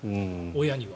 親には。